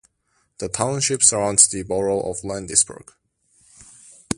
The township surrounds the borough of Landisburg.